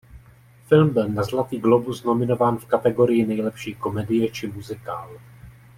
Film byl na Zlatý glóbus nominován v kategorii nejlepší komedie či muzikál.